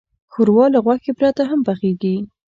ښوروا له غوښې پرته هم پخیږي.